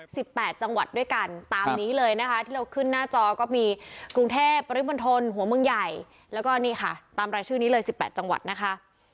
แปดจังหวัดด้วยกันตามนี้เลยนะคะที่เราขึ้นหน้าจอก็มีกรุงเทพปริมณฑลหัวเมืองใหญ่แล้วก็นี่ค่ะตามรายชื่อนี้เลยสิบแปดจังหวัดนะคะ